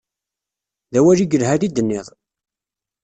D awal i yelhan i d-tenniḍ.